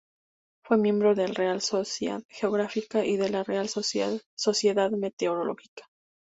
Fue miembro de la Real Sociedad Geográfica y de la Real Sociedad Meteorológica.